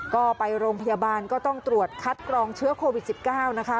ก็ไปโรงพยาบาลก็ต้องตรวจคัดกรองเชื้อโควิด๑๙นะคะ